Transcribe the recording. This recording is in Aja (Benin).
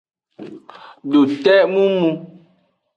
Dote mumu.